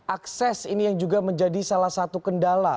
akses ini yang juga menjadi salah satu kendala